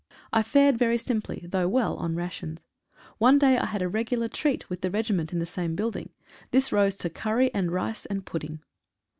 I fared very simply, though well, on rations. One day I had a regular treat with the regiment in the same building — this rose to curry and rice and pudding.